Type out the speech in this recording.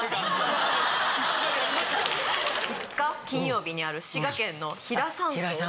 ５日金曜日にある滋賀県の比良山荘。